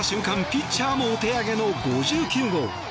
ピッチャーもお手上げの５９号。